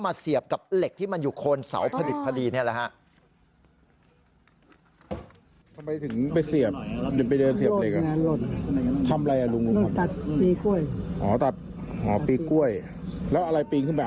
เหล็กที่มันอยู่โคนเสาผลิตพอดีนี่แหละ